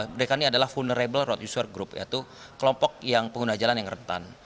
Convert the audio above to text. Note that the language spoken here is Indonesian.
mereka ini adalah vulnerable road user group yaitu kelompok yang pengguna jalan yang rentan